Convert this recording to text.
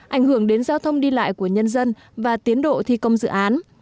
ảnh hưởng đến giao thông đi lại của nhân dân và tiến độ thi công dự án